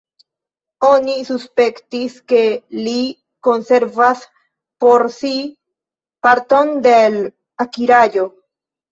Oni suspektis, ke li konservas por si parton de l' akiraĵo.